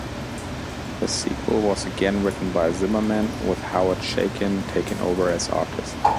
The sequel was again written by Zimmerman, with Howard Chaykin taking over as artist.